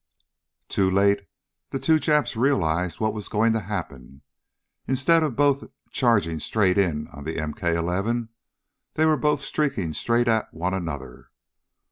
Too late the two Japs realized what was going to happen. Instead of both charging straight in on the MK 11, they both were streaking straight at one another!